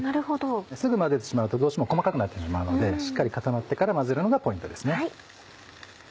すぐ混ぜてしまうとどうしても細かくなってしまうのでしっかり固まってから混ぜるのがポイントですね。